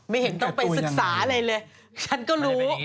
เห็นต้องไปศึกษาอะไรเลยฉันก็รู้